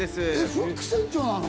フック船長なの？